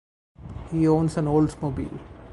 He owns an Oldsmobile.